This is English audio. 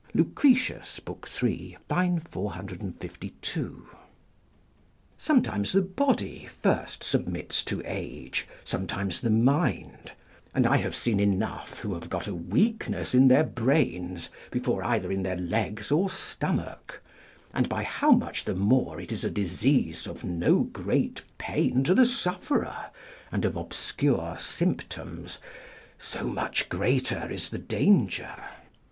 Lucretius, iii. 452.] Sometimes the body first submits to age, sometimes the mind; and I have seen enough who have got a weakness in their brains before either in their legs or stomach; and by how much the more it is a disease of no great pain to the sufferer, and of obscure symptoms, so much greater is the danger.